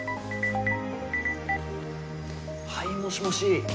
はいもしもし。